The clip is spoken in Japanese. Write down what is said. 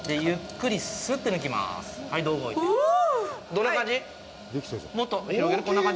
どんな感じ？